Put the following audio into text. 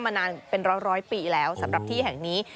มานานเป็นร้อยปีแล้วสำหรับที่แห่งนี้